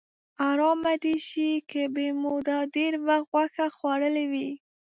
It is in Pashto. حرامه دې شي که به مو دا ډېر وخت غوښه خوړلې وي.